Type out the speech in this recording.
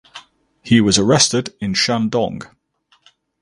He was arrested in Shandong.